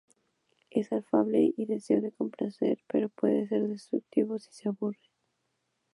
Es afable y deseoso de complacer pero puede ser destructivo si se aburre.